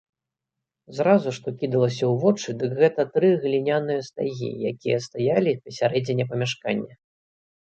Зразу, што кідалася ў вочы, дык гэта тры гліняныя стагі, якія стаялі пасярэдзіне памяшкання.